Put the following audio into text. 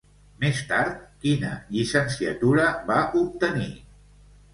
Més tard, quina llicenciatura va obtenir?